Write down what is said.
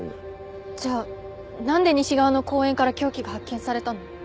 じゃあなんで西側の公園から凶器が発見されたの？